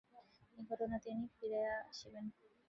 এই ঘটনায় তিনি ফিরিয়া আসেন।